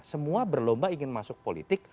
semua berlomba ingin masuk politik